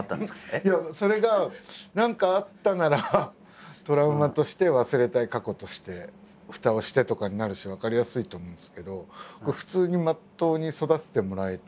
いやそれが何かあったならトラウマとして忘れたい過去としてふたをしてとかになるし分かりやすいと思うんですけど普通にまっとうに育ててもらえて。